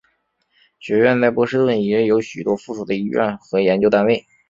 学院在波士顿也有许多附属的医院和研究单位。